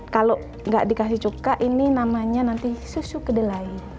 kalau nggak dikasih cuka ini namanya nanti susu kedelai